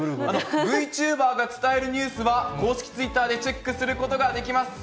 Ｖチューバーが伝えるニュースは、公式ツイッターでチェックすることができます。